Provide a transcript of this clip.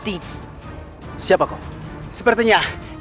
jadi apa yang kita pakai avoided apa mereka fokus nanti